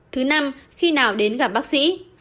thứ năm khi nào đến gặp bác sĩ